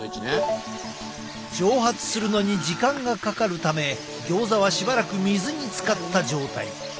蒸発するのに時間がかかるためギョーザはしばらく水につかった状態。